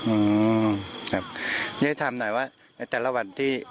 อืมถามหน่อยว่าในแต่ละวันที่